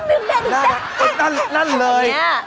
เอ๊ะเฮ้ยนั้นเลย